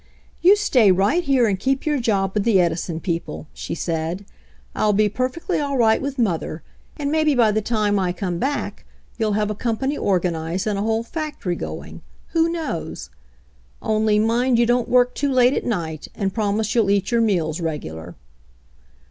"You stay right here and keep your job with the Edison people/' she said. "I'll be perfectly all right with mother, and maybe by the time I come back you'll have a company organized and a whole factory going, who knows ? Only, mind you don't work too late at night, and promise you'll eat your meals regular."